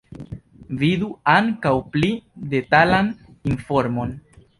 Vidu ankaŭ pli detalan informon.